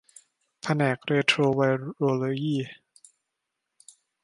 แผนกเรโทรไวโรโลยี